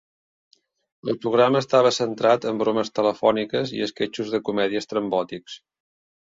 El programa estava centrat en bromes telefòniques i esquetxos de comèdia estrambòtics.